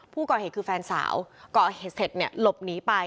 ผู้ก่อเหตุคือแฟนสาวก่อเหตุเสร็จเนี่ยหลบหนีไป